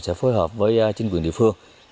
sẽ phối hợp với chính quyền địa phương